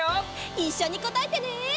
いっしょにこたえてね！